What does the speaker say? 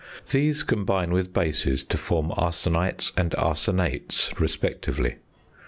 These combine with bases to form arsenites and arsenates respectively.